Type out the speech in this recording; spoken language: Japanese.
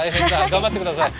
頑張ってください。